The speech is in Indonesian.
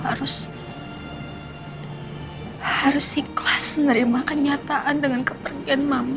barang aku harus ikhlas menerima kenyataan dengan kepergian mama